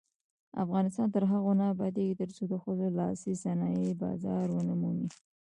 افغانستان تر هغو نه ابادیږي، ترڅو د ښځو لاسي صنایع بازار ونه مومي.